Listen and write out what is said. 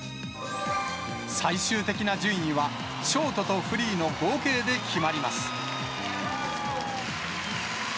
最終的な順位は、ショートとフリーの合計で決まります。